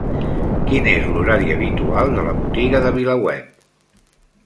Quin és l'horari habitual de la botiga de VilaWeb?